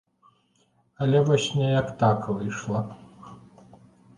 Але вось неяк так выйшла.